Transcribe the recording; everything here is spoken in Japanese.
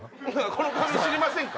この髪知りませんか？